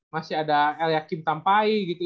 masih ada el yakin tampai gitu